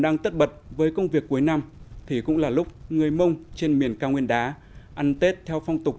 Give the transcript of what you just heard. làm công việc cuối năm thì cũng là lúc người mông trên miền cao nguyên đá ăn tết theo phong tục